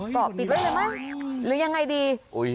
เกาะปิดไปเลยมั้ยหรือยังไงดี